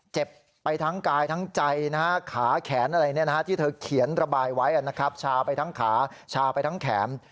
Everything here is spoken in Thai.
เจ็บไปทั้งกายทั้งใจขาแขนอะไรที่เธอเขียนระบายไว้นะครับชาไปทั้งขาชาไปทั้งแขน